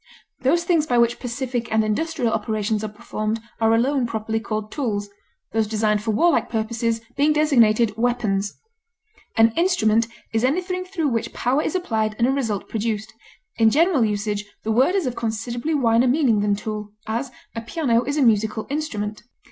Those things by which pacific and industrial operations are performed are alone properly called tools, those designed for warlike purposes being designated weapons. An instrument is anything through which power is applied and a result produced; in general usage, the word is of considerably wider meaning than tool; as, a piano is a musical instrument.